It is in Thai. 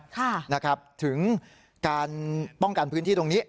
ค่ะนะครับถึงการป้องกันพื้นที่ตรงนี้